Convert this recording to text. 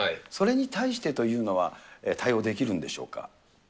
それに対してというのは、対応できるんでしょうか。